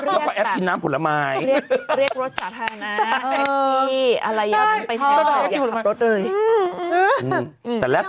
แล้วก็แอปกินน้ำผลไม้เรียกรถสาธารณะ